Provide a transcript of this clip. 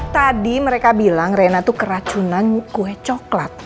tadi mereka bilang rena itu keracunan kue coklat